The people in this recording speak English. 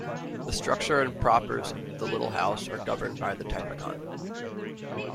The structure and propers of the Little Hours are governed by the Typicon.